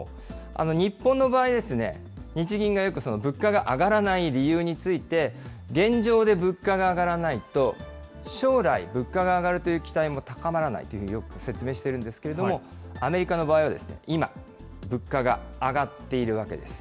日本の場合、日銀がよく、物価が上がらない理由について、現状で物価が上がらないと、将来、物価が上がるという期待も高まらないと、よく説明しているんですけれども、アメリカの場合は、今、物価が上がっているわけです。